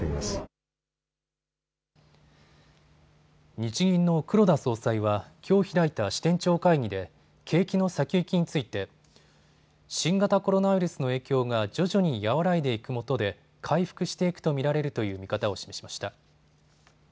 日銀の黒田総裁はきょう開いた支店長会議で景気の先行きについて新型コロナウイルスの影響が徐々に和らいでいくもとで回復していくと見られるという見方を示しました。